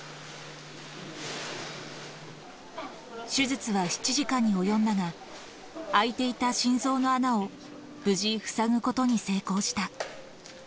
手術は７時間に及んだが、開いていた心臓の穴を無事塞ぐことに成功した。